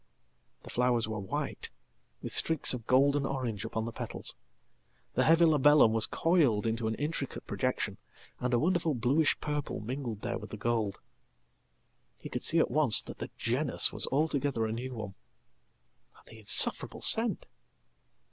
The flowers were white, with streaks of golden orange upon the petals; theheavy labellum was coiled into an intricate projection, and a wonderfulbluish purple mingled there with the gold. He could see at once that thegenus was altogether a new one. And the insufferable scent!